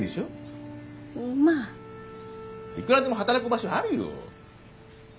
いくらでも働く場所あるよ。